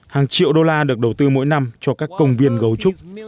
hàng triệu đô la được đầu tư mỗi năm cho các công viên gấu trúc